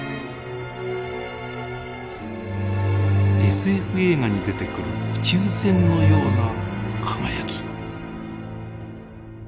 ＳＦ映画に出てくる宇宙船のような輝き。